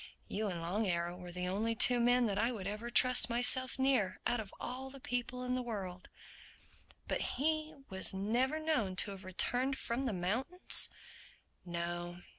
You and Long Arrow were the only two men that I would ever trust myself near—out of all the people in the world." "But was he never known to have returned from the mountains?" "No.